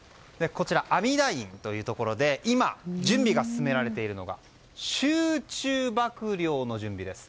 阿弥陀院というところで今、準備が進められているのが集中曝涼の準備です。